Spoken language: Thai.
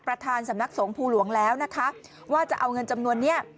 ประธานสำนักสงภูหลวงแล้วนะคะว่าจะเอาเงินจำนวนนี้